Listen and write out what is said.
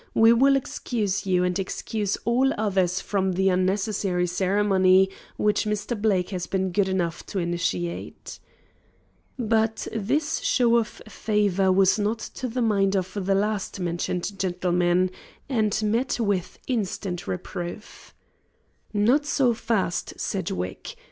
We will excuse you, and excuse all the others from the unnecessary ceremony which Mr. Blake has been good enough to initiate." But this show of favour was not to the mind of the last mentioned gentleman, and met with instant reproof. "Not so fast, Sedgwick.